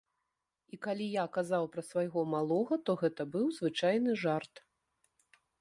І калі я казаў пра свайго малога, то гэта быў звычайны жарт.